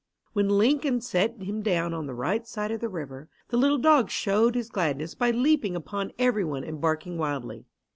When Lincoln set him down on the right side of the river, the little dog showed his gladness by leaping upon everyone and barking wildly.